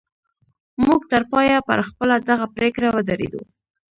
موږ تر پایه پر خپله دغه پرېکړه ودرېدو